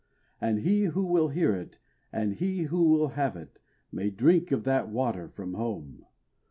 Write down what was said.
And he who will hear it, and he who will have it, May drink of that water from Home.